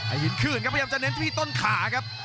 ยินคืนครับพยายามจะเน้นที่ต้นขาครับ